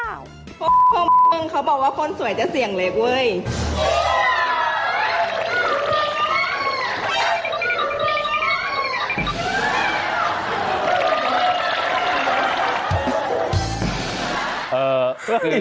เพิ่งเขาบอกว่าคนสวยจะเสี่ยงเล็กเว้ย